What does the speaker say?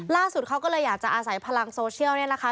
ล่าสุดเขาก็เลยอยากจะอาศัยพลังโซเชียลนี่แหละค่ะ